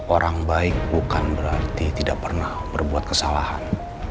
orang baik bukan berarti tidak pernah berbuat kesalahan